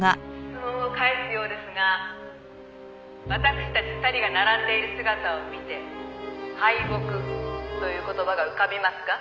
「質問を返すようですが私たち２人が並んでいる姿を見て“敗北”という言葉が浮かびますか？」